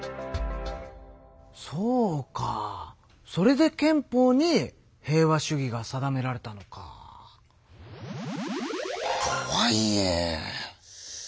そうかそれで憲法に平和主義が定められたのか。とはいえ。